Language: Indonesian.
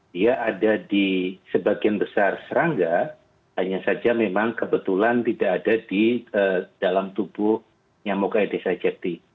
dia ada di sebagian besar serangga hanya saja memang kebetulan tidak ada di dalam tubuh nyamukai desa jepti